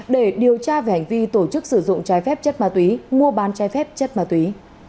để điều tra về hành vi tổ chức sử dụng trái phép chất ma túy mua bán trái phép chất ma túy